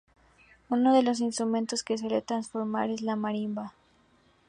Uno de los instrumentos que suele transformar es la marimba.